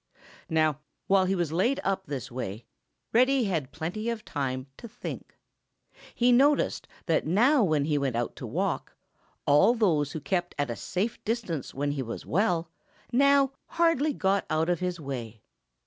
Now, while he was laid up this way, Reddy had plenty of time to think. He noticed that when he went out to walk, all those who kept at a safe distance when he was well now hardly got out of his way.